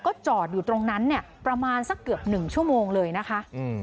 ก็จอดอยู่ตรงนั้นเนี่ยประมาณสักเกือบหนึ่งชั่วโมงเลยนะคะ